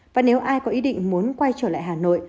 và nếu ai có ý định muốn quay trở lại hà nội